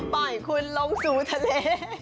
ปล่อยคุณลงสู่ทะเล